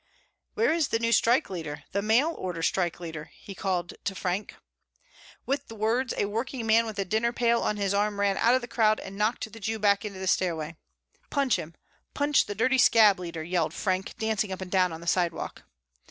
"Where is the new strike leader the mail order strike leader?" he called to Frank. With the words, a working man with a dinner pail on his arm ran out of the crowd and knocked the Jew back into the stairway. "Punch him! Punch the dirty scab leader!" yelled Frank, dancing up and down on the sidewalk.